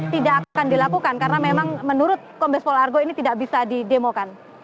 tidak akan dilakukan karena memang menurut komis polargo ini tidak bisa didemokan